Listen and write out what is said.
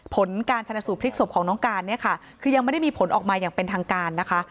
ผลการชนะสูตรพลิกศพของน้องการเนี่ยค่ะคือยังไม่ได้มีผลออกมาอย่างเป็นทางการนะคะ